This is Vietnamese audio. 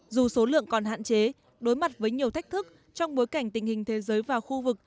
dù số lượng còn hạn chế đối mặt với nhiều thách thức trong bối cảnh tình hình thế giới và khu vực